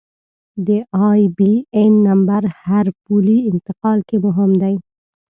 د آیبياېن نمبر هر پولي انتقال کې مهم دی.